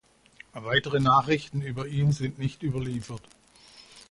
Weitere Nachrichten über ihn sind nicht überliefert.